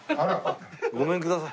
ごめんください。